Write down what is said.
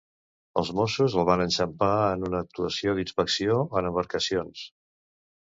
Els Mossos el van enxampar en una actuació d'inspecció en embarcacions.